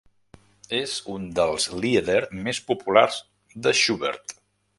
És un dels lieder més populars de Schubert.